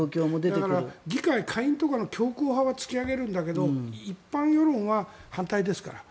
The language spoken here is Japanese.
だから、議会下院とかの強硬派は突き上げるけど一般世論は大変ですから。